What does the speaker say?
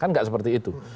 kan tidak seperti itu